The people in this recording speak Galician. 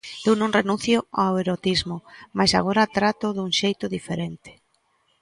Eu non renuncio ao erotismo, mais agora trátoo dun xeito diferente.